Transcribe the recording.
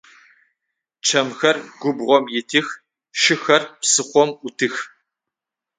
Чэмхэр губгъом итых, шыхэр псыхъом ӏутых.